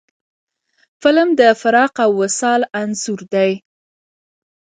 فلم د فراق او وصال انځور دی